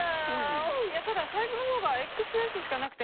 いやただサイズのほうがＸＳしかなくて。